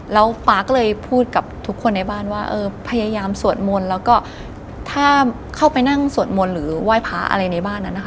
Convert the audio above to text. แล้วฟ้าก็เลยพูดกับทุกคนในบ้านว่าเออพยายามสวดมนต์แล้วก็ถ้าเข้าไปนั่งสวดมนต์หรือไหว้พระอะไรในบ้านนั้นนะคะ